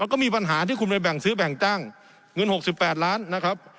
ก็มีปัญหาที่คุณไปแบ่งซื้อแบ่งตั้งเงิน๖๘ล้านนะครับ